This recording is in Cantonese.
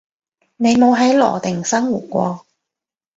你冇喺羅定生活過